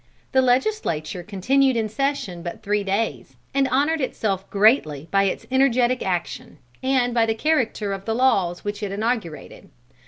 The legislature continued in session but three days, and honored itself greatly by its energetic action, and by the character of the laws which it inaugurated.